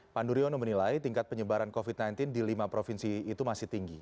pandu riono menilai tingkat penyebaran covid sembilan belas di lima provinsi itu masih tinggi